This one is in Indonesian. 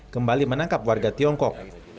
kembali menangkap warga tiongkok